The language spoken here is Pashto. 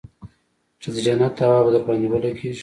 چې د جنت هوا به درباندې ولګېږي.